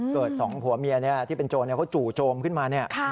สองผัวเมียที่เป็นโจรเขาจู่โจมขึ้นมาเนี่ย